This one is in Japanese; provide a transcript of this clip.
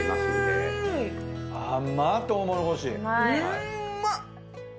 うんまっ！